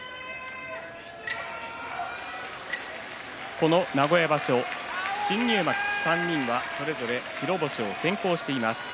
この名古屋場所新入幕３人はそれぞれ白星を先行しています。